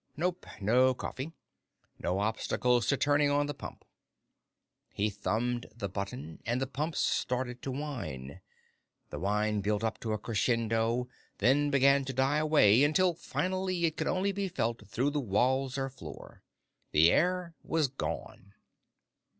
Nope, no coffee. No obstacles to turning on the pump. He thumbed the button, and the pumps started to whine. The whine built up to a crescendo, then began to die away until finally it could only be felt through the walls or floor. The air was gone.